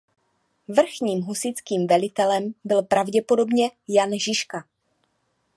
Vrchním husitským velitelem byl pravděpodobně Jan Žižka.